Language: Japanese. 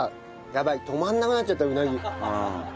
やばい止まらなくなっちゃったうなぎ。